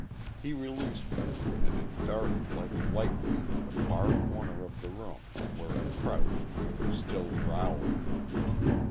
He released it, and it darted like lightning into the far corner of the room, where it crouched, still growling.